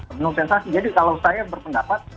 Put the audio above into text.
penuh sensasi jadi kalau saya berpendapat